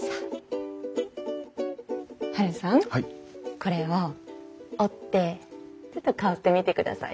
これを折ってちょっと香ってみてください。